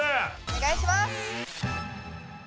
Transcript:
お願いします。